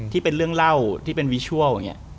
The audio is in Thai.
เป็นเรื่องเล่าที่เป็นวิชัลอย่างนี้